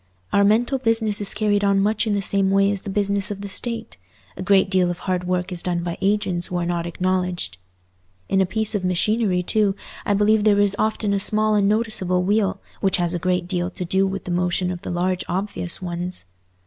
Our mental business is carried on much in the same way as the business of the State: a great deal of hard work is done by agents who are not acknowledged. In a piece of machinery, too, I believe there is often a small unnoticeable wheel which has a great deal to do with the motion of the large obvious ones.